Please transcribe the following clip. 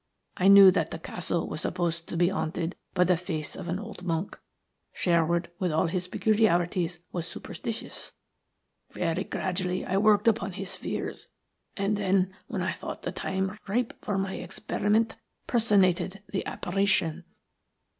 I knew that the castle was supposed to be haunted by the face of an old monk. Sherwood with all his peculiarities was superstitious. Very gradually I worked upon his fears, and then, when I thought the time ripe for my experiment, personated the apparition.